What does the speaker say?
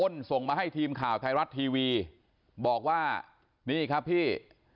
ส่งมาให้ทีมข่าวไทยรัฐทีวีบอกว่านี่ครับพี่